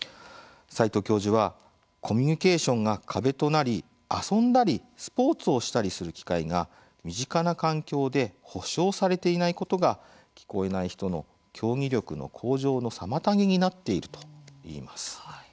齊藤教授はコミュニケーションが壁となり遊んだり、スポーツをしたりする機会が身近な環境で保障されていないことが聞こえない人の競技力の向上の妨げになっていると言います。